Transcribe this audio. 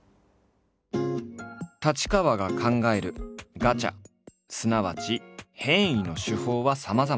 太刀川が考える「ガチャ」すなわち変異の手法はさまざまだ。